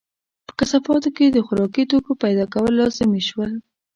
په کثافاتو کې د خوراکي توکو پیدا کول لازمي شول.